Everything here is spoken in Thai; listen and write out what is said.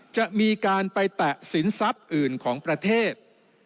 จะมีการไปแตะสินทรัพย์อื่นของประเทศ